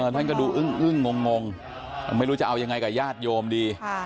ท่านก็ดูอึ้งงไม่รู้จะเอายังไงกับญาติโยมดี